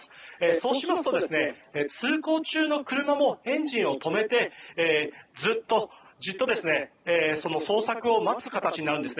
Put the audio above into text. そうしますと、通行中の車もエンジンを止めてずっと、じっと捜索を待つ形なんです。